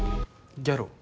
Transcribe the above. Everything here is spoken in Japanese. ギャロ？